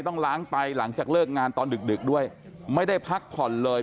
ต้องล้างไฟหลังจากเลิกงานตอนดึกด้วยไม่ได้พักผ่อนเลย